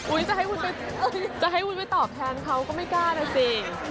อุ๊ยจะให้วุ้นไปตอบแทนเขาก็ไม่กล้านะสิ